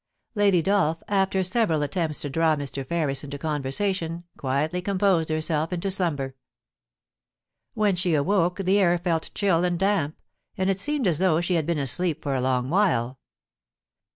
Lady Dolph, after several attempts to draw Mr. Ferris into conversation, quietly composed herself into slumber. When she awoke the air felt chill and damp, and it seemed as though she had been asleep for a long while.